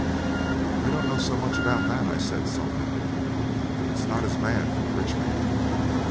'I don't know so much about that,' I said sullenly. 'But it's not as bad for the rich man.